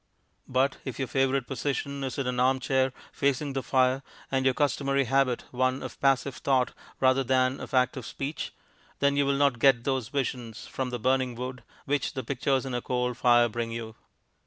But if your favourite position is in an armchair facing the fire, and your customary habit one of passive thought rather than of active speech, then you will not get those visions from the burning wood which the pictures in a coal fire bring you.